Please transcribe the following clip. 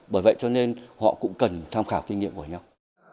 bởi vậy cho nên họ cũng cần tham khảo kinh nghiệm của nhau